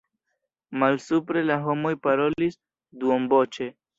Malsupre la homoj parolis duonvoĉe.